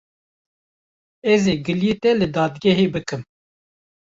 Ez ê giliyê te li dadgehê bikim.